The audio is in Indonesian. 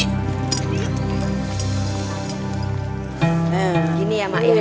nah begini ya mair